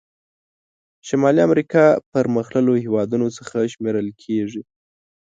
شمالي امریکا پرمختللو هېوادونو څخه شمیرل کیږي.